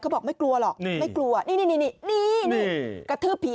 ก็บอกไม่กลัวหรอกนี่